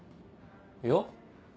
いや。